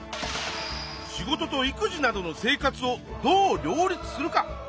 仕事と育児などの生活をどう両立するか。